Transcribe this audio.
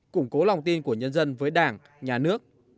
củng cố lòng tin của nhân dân với đảng nhà nước